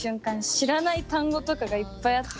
知らない単語とかがいっぱいあって。